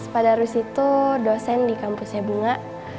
pak darus itu dosen di kampusnya bunga